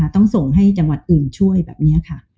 ต้องส่งให้จังหวัดอื่นช่วยแบบนี้ค่ะ